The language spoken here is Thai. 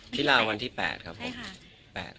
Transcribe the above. ที่ลาววันที่๘ครับผม